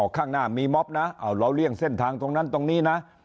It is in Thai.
ข้างหน้ามีม็อบนะเราเลี่ยงเส้นทางตรงนั้นตรงนี้นะ